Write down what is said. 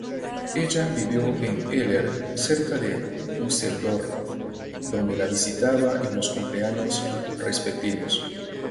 Ella vivió en Eller, cerca de Düsseldorf, donde la visitaba en los cumpleaños respectivos.